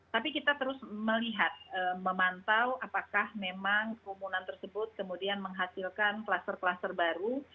tapi kita terus melihat memantau apakah memang kerumunan tersebut kemudian menghasilkan kluster kluster baru